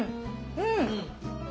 うん。